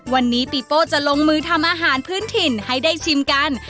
วันนี้ปีโป้จะลงมือทำอาหารพื้นถิ่นให้ได้ชิมกัน